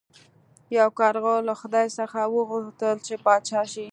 یو کارغه له خدای څخه وغوښتل چې پاچا شي.